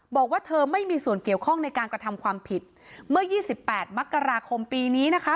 บอกว่าเธอไม่มีส่วนเกี่ยวข้องในการกระทำความผิดเมื่อ๒๘มกราคมปีนี้นะคะ